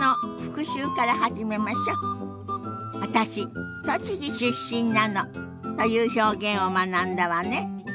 「私栃木出身なの」という表現を学んだわね。